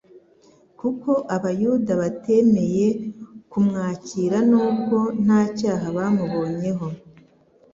Kuko abayuda batemeye kumwakira nubwo nta cyaha bamubonyeho